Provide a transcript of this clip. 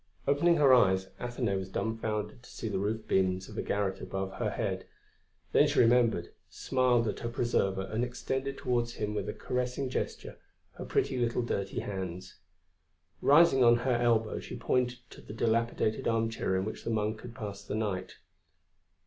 Opening her eyes, Athenaïs was dumfounded to see the roof beams of a garret above her head. Then she remembered, smiled at her preserver and extended towards him with a caressing gesture her pretty little dirty hands. Rising on her elbow, she pointed to the dilapidated armchair in which the Monk had passed the night.